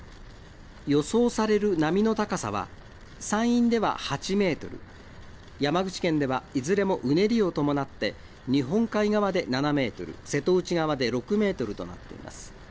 予想される波の高さは、山陰では８メートル、山口県ではいずれもうねりを伴って、日本海側で７メートル、瀬戸内側で６メートルとなっています。